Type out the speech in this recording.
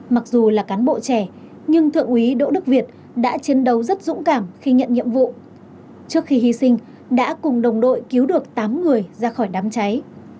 mặc dù là cán bộ trẻ nhưng thượng úy đỗ đức việt đã chiến đấu rất dũng cảm khi nhận nhiệm vụ trước khi hy sinh đã cùng đồng đội cứu được tám người ra khỏi đám cháy